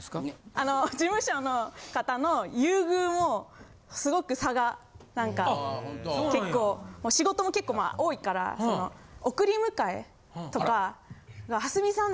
あの事務所の方の優遇をすごく差がなんか結構仕事も結構多いから送り迎えとか。